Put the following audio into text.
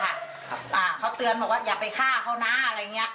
ครับอ่าเขาเตือนบอกว่าอย่าไปฆ่าเขาน่าอะไรเงี้ย